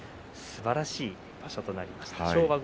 すばらしい場所となりました。